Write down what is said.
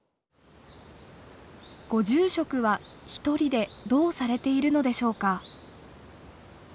ご住職は一人でどうされているのでしょうか。